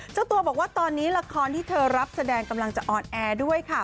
เจ้าตัวบอกว่าตอนนี้ละครที่เธอรับแสดงกำลังจะออนแอร์ด้วยค่ะ